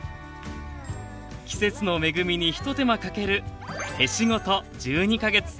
季節の恵みにひと手間かける「手仕事１２か月」。